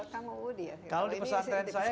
kamu woody ya kalau di pesan tren saya